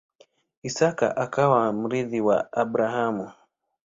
Isaka akawa mrithi wa Abrahamu.